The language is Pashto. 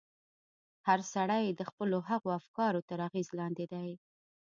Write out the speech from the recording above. هر سړی د خپلو هغو افکارو تر اغېز لاندې دی.